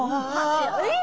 えっ！